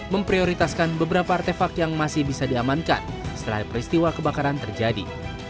memprioritaskan beberapa artefak yang masih bisa diamankan setelah peristiwa kebakaran terjadi